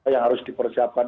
yang harus di persiapkan